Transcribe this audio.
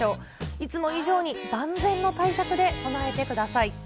いつも以上に万全の対策で備えてください。